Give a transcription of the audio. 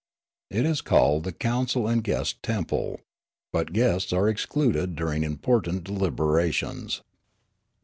It is called the council and guest temple. But guests are excluded during important deliberations.